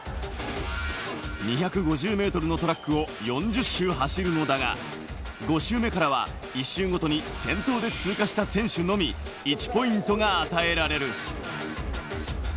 ２５０ｍのトラックを４０周走るのだが、５週目からは１周ごとに先頭で通過した選手のみ１ポイントが与えられる。